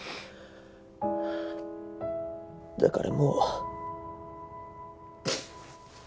だからもう。